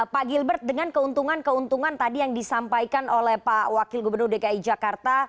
pak gilbert dengan keuntungan keuntungan tadi yang disampaikan oleh pak wakil gubernur dki jakarta